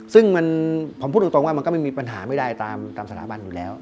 ซึ่งผมพูดตรงว่ามันก็ไม่มีปัญหาไม่ได้ตามสถาบันอยู่แล้ว